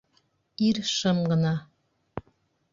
Ир шым ғына: